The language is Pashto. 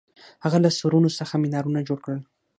هغه له سرونو څخه منارونه جوړ کړل.